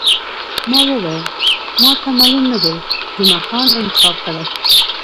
ما وویل، ما ته معلوم نه دی، جمعه خان انتخاب کړی.